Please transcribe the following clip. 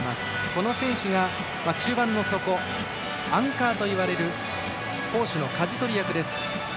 この選手が中盤の底アンカーといわれる攻守のかじ取り役です。